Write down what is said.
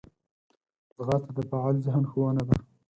ځغاسته د فعال ذهن ښوونه ده